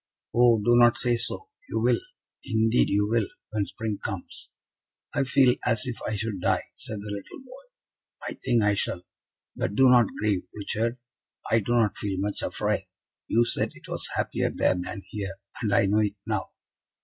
"Oh, do not say so! You will, indeed you will, when spring comes." "I feel as if I should die," said the little boy; "I think I shall. But do not grieve, Richard. I do not feel much afraid. You said it was happier there than here, and I know it now."